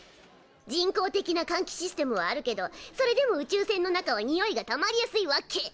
人工的なかんきシステムはあるけどそれでも宇宙船の中はにおいがたまりやすいわけ。